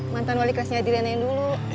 mantan wali kelasnya adirena yang dulu